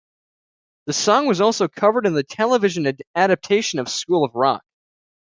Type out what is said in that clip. The song was also covered in the television adaptation of School of Rock.